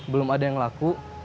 belum ada yang laku